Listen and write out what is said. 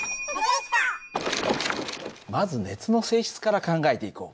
まず熱の性質から考えていこう。